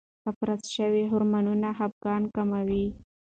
افراز شوی هورمون خپګان کموي.